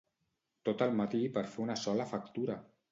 Tot el matí per fer una sola factura!